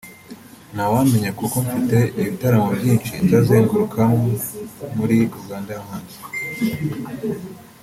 nta wamenya kuko mfite ibitaramo byinshi nzazengurukamo muri Uganda no hanze